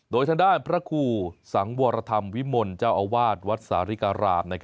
โดยทางด้านพระครูสังวรธรรมวิมลเจ้าอาวาสวัดสาริการาม